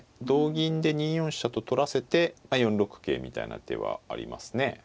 同銀で２四飛車と取らせて４六桂みたいな手はありますね。